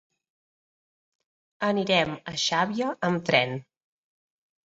Anirem a Xàbia amb tren.